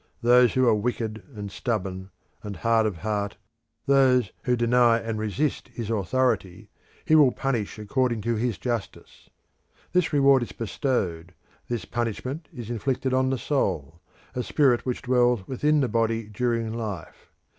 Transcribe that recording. Those who are wicked, and stubborn, and hard of heart, those who deny and resist his authority, he will punish according to his justice. This reward is bestowed, this punishment is inflicted on the soul, a spirit which dwells within the body during life.